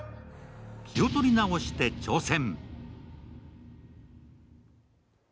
気を取りなおして挑戦。